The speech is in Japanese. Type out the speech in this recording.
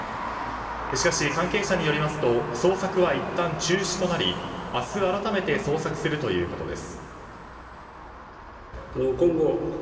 しかし、関係者によりますと捜索はいったん中止となり明日改めて捜索するということです。